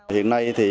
hiện nay thì